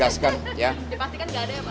dipastikan tidak ada ya pak sarto